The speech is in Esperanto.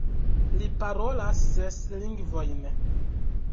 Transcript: Li parolas ses lingvojn.